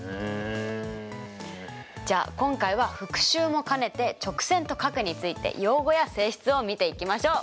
じゃあ今回は復習も兼ねて直線と角について用語や性質を見ていきましょう。